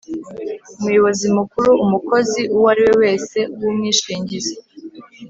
umuyobozi mukuru: umukozi uwo ari we wese w’umwishingizi